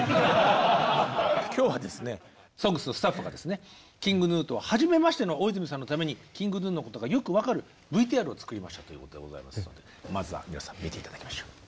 今日はですね「ＳＯＮＧＳ」のスタッフがですねＫｉｎｇＧｎｕと初めましての大泉さんのためにＫｉｎｇＧｎｕのことがよく分かるＶＴＲを作りましたということでございますのでまずは皆さん見て頂きましょう。